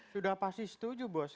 sudah pasti setuju bos